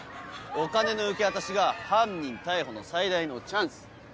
お金の受け渡しが犯人逮捕の最大のチャンス。